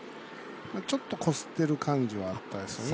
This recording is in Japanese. ちょっとこすってる感じはあったんですね。